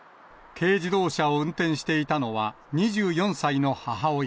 軽自動車を運転していたのは、２４歳の母親。